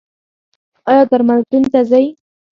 ایا درملتون ته ځئ؟